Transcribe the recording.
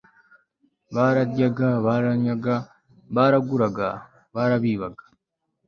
bararyaga baranywaga baraguraga barabibaga